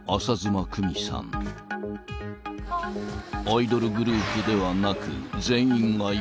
［アイドルグループではなく］